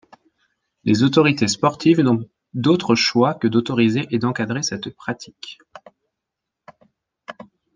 Les autorités sportives n'ont d'autre choix que d'autoriser et d'encadrer cette pratique.